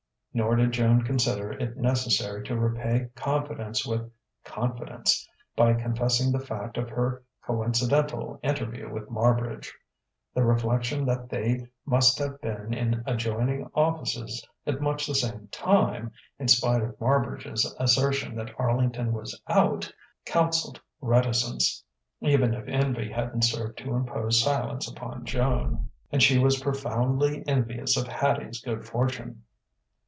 Nor did Joan consider it necessary to repay confidence with confidence by confessing the fact of her coincidental interview with Marbridge. The reflection that they must have been in adjoining offices at much the same time, in spite of Marbridge's assertion that Arlington was out, counselled reticence, even if envy hadn't served to impose silence upon Joan. And she was profoundly envious of Hattie's good fortune.